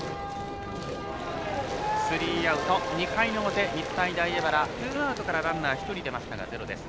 スリーアウト２回の表、日体大荏原ツーアウトからランナー１人出ましたがゼロです。